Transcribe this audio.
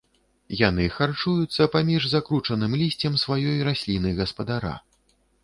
Яны харчуюцца паміж закручаным лісцем сваёй расліны-гаспадара.